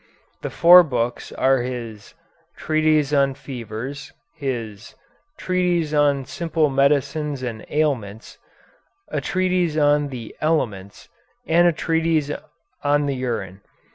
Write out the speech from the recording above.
The four books are his "Treatise on Fevers," his "Treatise on Simple Medicines and Ailments," a treatise on the "Elements," and a treatise "On the Urine."